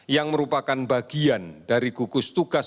yang merupakan bagian dari gugus tugas